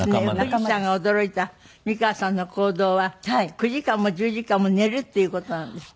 藤さんが驚いた美川さんの行動は９時間も１０時間も寝るっていう事なんですって？